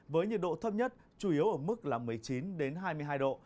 với nhiệt độ thấp nhất chủ yếu ở mức một mươi chín hai mươi hai độ